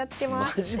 マジか。